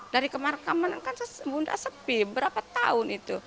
dari kemarkaman kan bunda sepi berapa tahun itu